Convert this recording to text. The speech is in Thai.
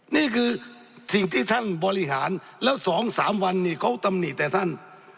นี่คือสิ่งที่ท่านบริหารแล้ว๒๓วันนี้เขาตำหนิแต่ท่าน